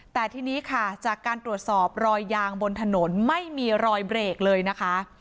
แต่ทีนี้ค่ะจากการตรวจสอบรอยยางบนถนนไม่มีรอยเบรกเลยนะคะ